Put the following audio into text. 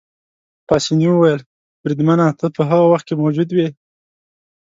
پاسیني وویل: بریدمنه، ته په هغه وخت کې موجود وې؟